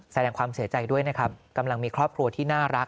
แสดงความเสียใจด้วยนะครับกำลังมีครอบครัวที่น่ารัก